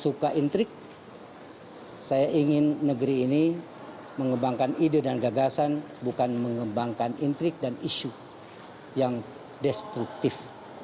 suka intrik saya ingin negeri ini mengembangkan ide dan gagasan bukan mengembangkan intrik dan isu yang destruktif